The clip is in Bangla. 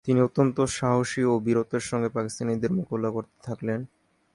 তিনি অত্যন্ত সাহস ও বীরত্বের সঙ্গে পাকিস্তানিদের মোকাবিলা করতে থাকলেন।